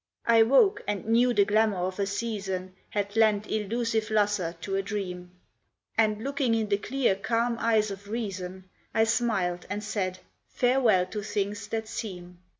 I woke and knew the glamour of a season Had lent illusive lustre to a dream, And looking in the clear calm eyes of Reason, I smiled and said, "Farewell to things that seem."